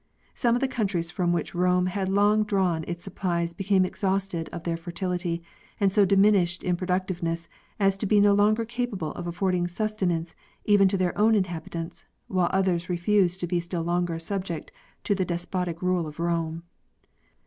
Some of the countries from which Rome had long drawn its sup plies became exhausted of their fertility and so diminished in productiveness as to be no longer capable of affording sustenance even to their own inhabitants, while others refused to be still longer subject to the despotic rule of Rome.